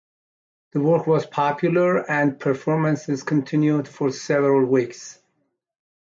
The work was popular and performances continued for several weeks.